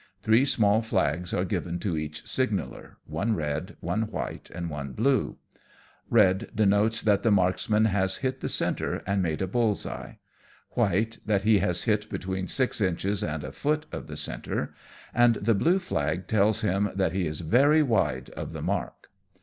Three small flags are given to each signaller, one red, one white, and one blue. Eed denotes that the marksman has hit the centre, and made a bull's eye. White, that he has hit between six inches and a foot of the centre ; and the blue flag tells him that he is very wide of the mark.